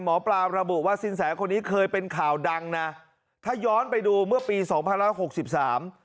หมอปลาระบุว่าสินแสคนนี้เคยเป็นข่าวดังนะถ้าย้อนไปดูเมื่อปีสองพันร้อยหกสิบสาม